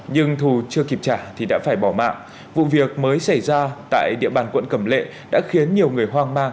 nhưng thù chưa kịp trả thì đã phải bỏ mạng vụ việc mới xảy ra tại địa bàn quận cầm lệ đã khiến nhiều người hoang ma